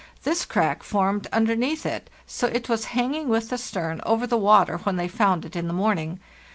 This crack formed underneath it, so it was hanging with the stern over the water when they found it in the morning.